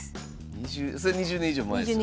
それ２０年以上前ですよね。